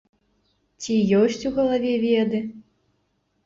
Ці ёсць у галаве веды?